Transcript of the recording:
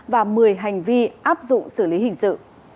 và một mươi hành vi áp dụng xử lý hình sự